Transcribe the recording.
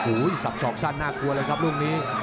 โอ้โหสับสอกสั้นน่ากลัวเลยครับลูกนี้